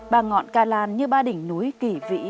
ba ngọn cà làn như ba đỉnh núi kỳ vĩ